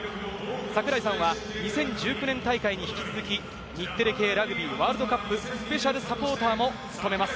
櫻井さんは２０１９年大会に引き続き、日テレ系ラグビーワールドカップスペシャルサポーターも務めます。